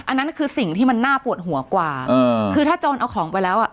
อันนั้นคือสิ่งที่มันน่าปวดหัวกว่าเออคือถ้าโจรเอาของไปแล้วอ่ะ